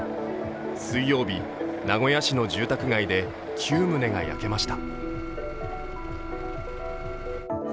水曜日、名古屋市の住宅街で９棟が焼けました。